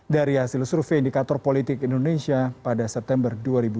dari hasil survei indikator politik indonesia pada september dua ribu dua puluh